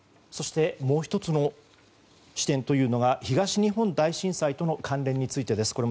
そしてもう１つの視点というのが東日本大震災との関連についてです。